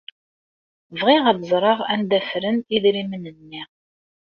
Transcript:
Bɣiɣ ad ẓreɣ anda ffren idrimen-nni.